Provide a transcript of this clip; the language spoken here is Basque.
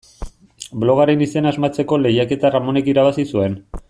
Blogaren izena asmatzeko lehiaketa Ramonek irabazi zuen.